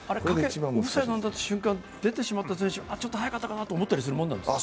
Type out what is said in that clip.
オフサイドの瞬間、出てしまった選手はちょっと速かったかなと思ったりするものですか？